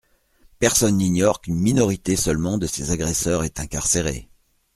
Personne n’ignore qu’une minorité seulement de ces agresseurs est incarcérée.